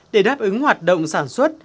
để đáp ứng hoạt động sản xuất